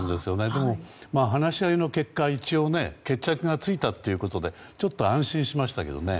でも、話し合いの結果一応、決着がついたということでちょっと安心しましたけどね。